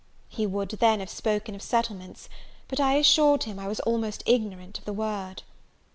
He would then have spoken of settlements; but I assured him I was almost ignorant of the word.